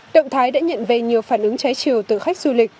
động thái đã nhận về nhiều phản ứng trái chiều từ khách du lịch